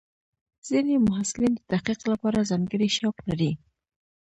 ځینې محصلین د تحقیق لپاره ځانګړي شوق لري.